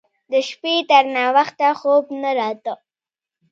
د شپې تر ناوخته خوب نه راته.